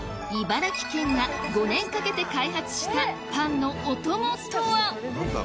茨城県が５年かけて開発したパンのお供とは？